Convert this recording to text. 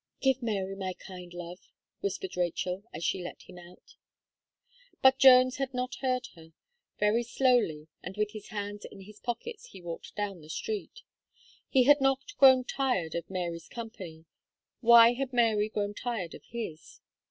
"Give Mary my kind love," whispered Rachel, as she let him out. But Jones had not heard her. Very slowly, and with his hands in his pockets, he walked down the street. He had not grown tired of Mary's company; why had Mary grown tired of his?